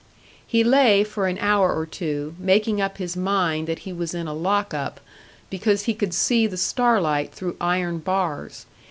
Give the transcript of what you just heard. He lay for an hour or two, making up his mind that he was in a lock up, because he could see the starlight through iron bars.